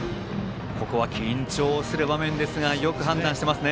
ここは緊張する場面ですがよく判断しました。